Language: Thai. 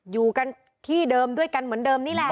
อยู่กันที่เดิมด้วยกันเหมือนเดิมนี่แหละ